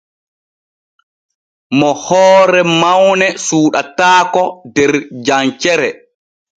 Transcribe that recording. Mo hoore mawne suuɗataako der jancere.